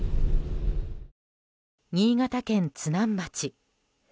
新潟県津南町。